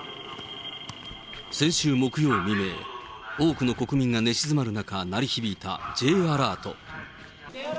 先週木曜未明、多くの国民が寝静まる中、鳴り響いたＪアラート。